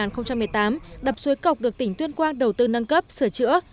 năm hai nghìn một mươi tám đập suối cộc được tỉnh tuyên quang đầu tư nâng cấp sửa chữa